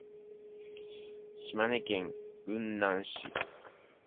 島根県雲南市